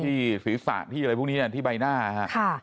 ที่ศีรษะที่อะไรพวกนี้ที่ใบหน้าครับ